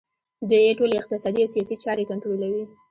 دوی ټولې اقتصادي او سیاسي چارې کنټرولوي